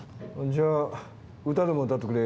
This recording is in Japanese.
じゃあ歌でも歌ってくれ。